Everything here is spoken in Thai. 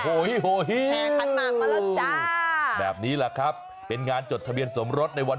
โอ้โหแห่ขันมาก็แล้วจ้าแบบนี้แหละครับเป็นงานจดทะเบียนสมรสในวัน